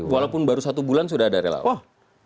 walaupun baru satu bulan sudah ada relawan